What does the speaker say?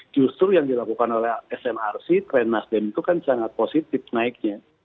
justru yang dilakukan oleh smrc tren nasdem itu kan sangat positif naiknya